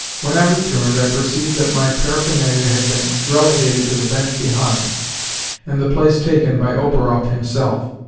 When I returned I perceived that my paraphernalia had been relegated to the bench behind, and the place taken by Operoff himself.